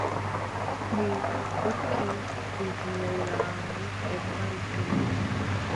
Ɗi ndokki duujiire laamu, nden mari colli.